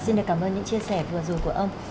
xin được cảm ơn những chia sẻ vừa rồi của ông